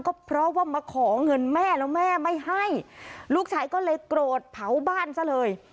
ก็เพราะว่ามาขอเงินแม่แล้วแม่ไม่ให้ลูกชายก็เลยโกรธเผาบ้านซะเลย